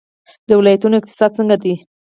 د ولایتونو اقتصاد څنګه دی؟